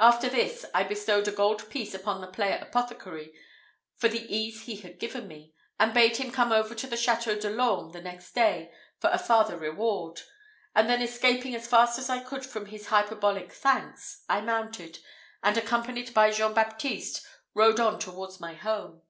After this, I bestowed a gold piece upon the player apothecary for the ease he had given me, and bade him come over to the Château de l'Orme the next day for a farther reward, and then escaping as fast as I could from his hyperbolical thanks, I mounted, and, accompanied by Jean Baptiste, rode on towards my home.